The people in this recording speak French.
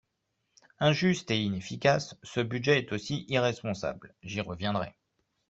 Injuste et inefficace, ce budget est aussi irresponsable, j’y reviendrai.